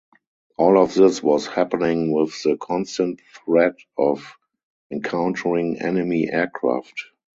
All of this was happening with the constant threat of encountering enemy aircraft.